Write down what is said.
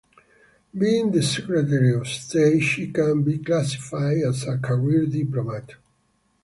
Being the Secretary of State, she can be classified as a career diplomat.